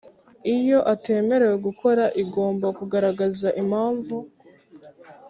Iyo atemerewe gukora igomba kugaragaza impamvu